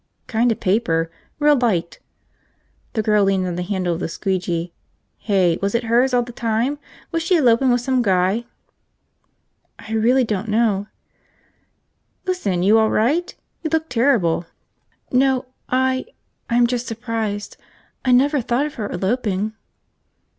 "Kinda paper. Real light." The girl leaned on the handle of the squeegee. "Hey, was it hers all the time? Was she elopin' with the guy?" "I really don't know." "Listen, you all right? You look terrible." "No, I – I'm just surprised. I never thought of her eloping."